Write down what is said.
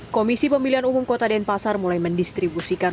komisi pemilihan umum kota denpasar mulai mendistribusikan